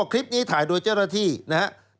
คลิปนี้ถ่ายโดยเจ้าหน้าที่นะครับ